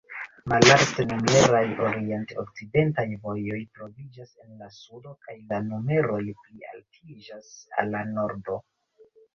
Malalt-numeraj orient-okcidentaj vojoj troviĝas en la sudo, kaj la numeroj plialtiĝas al la nordo.